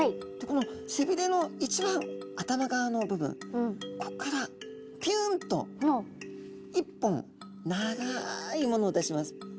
この背びれの一番頭側の部分こっからピュンと一本長いものを出します。